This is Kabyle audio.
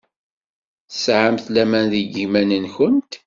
Tesɛamt laman deg yiman-nwent?